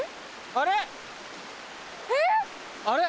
あれ！